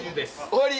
終わり？